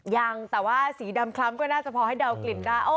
ยังแต่ว่าสีดำคล้ำก็น่าจะพอให้เดากลิ่นได้